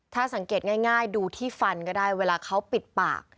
ถ้าสังเกตง่ายดูที่ฟันก็ได้เวลาเขาปิดปาก